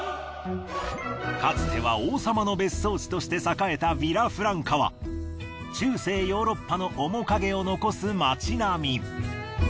かつては王様の別荘地として栄えたヴィラフランカは中世ヨーロッパの面影を残す町並み。